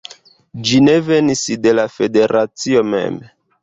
Ĝi ne venis de la federacio mem